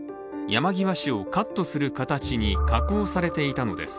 山際氏をカットする形に加工されていたのです。